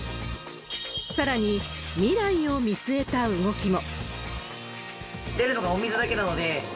さらに、未来を見据えた動きも。